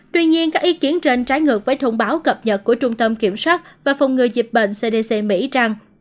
tuy nhiên các ý kiến trên trái ngược với thông báo cập nhật của trung tâm kiểm soát và phòng ngừa dịch bệnh cdc mỹ rằng